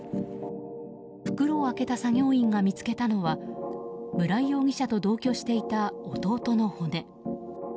袋を開けた作業員が見つけたのは村井容疑者と同居していた弟の骨。